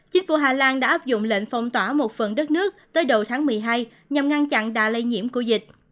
chính phủ hà lan đã áp dụng lệnh phong tỏa một phần đất nước tới đầu tháng một mươi hai nhằm ngăn chặn đà lây nhiễm của dịch